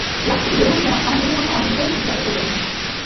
Lux থেকে বেরোনোর সময় আমার নিজের মধ্যে অনেক বিষয়েই ইতিবাচক পরিবর্তন আসে।